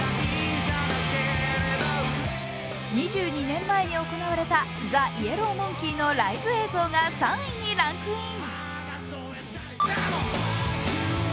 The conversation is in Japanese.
２２年前に行われたＴＨＥＹＥＬＬＯＷＭＯＮＫＥＹのライブ映像が３位にランクイン。